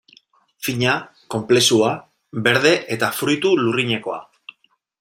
Fina, konplexua, berde eta fruitu lurrinekoa...